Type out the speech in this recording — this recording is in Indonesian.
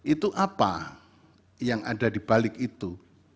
itu apa yang ada dibalik itu